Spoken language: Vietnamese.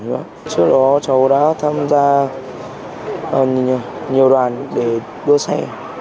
trước đó cháu đã tham gia nhiều đoàn để đua xe